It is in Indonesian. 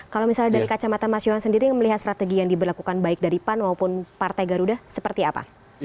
kalau misalnya dari kacamata mas yohan sendiri melihat strategi yang diberlakukan baik dari pan maupun partai garuda seperti apa